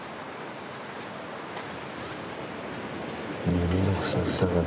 耳のふさふさが立派だね。